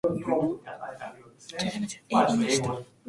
It is stored in operating condition, and will be run occasionally.